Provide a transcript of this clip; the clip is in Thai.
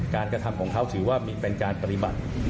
กระทำของเขาถือว่าเป็นการปฏิบัติ